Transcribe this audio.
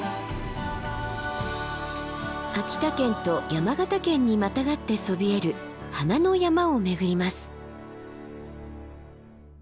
秋田県と山形県にまたがってそびえる花の山を巡ります。